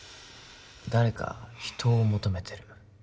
誰か人を求めてる